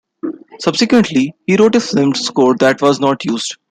Subsequently, he wrote a film score that was not used.